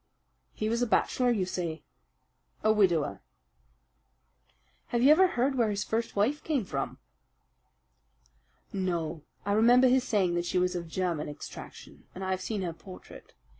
"He was a bachelor, you say?" "A widower." "Have you ever heard where his first wife came from?" "No, I remember his saying that she was of German extraction, and I have seen her portrait.